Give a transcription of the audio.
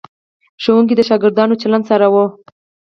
ښوونکي د شاګردانو چلند څارلو.